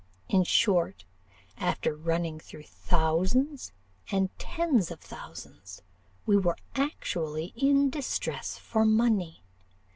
In short, after running through thousands and tens of thousands, we were actually in distress for money.